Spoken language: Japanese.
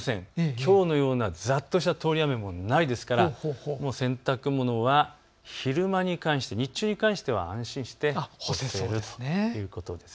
きょうのようなざっとした通り雨もないですから洗濯物は日中に関しては安心して干せそうです。